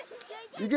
行け！